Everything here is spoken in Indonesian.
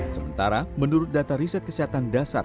sementara menurut data riset kesehatan dasar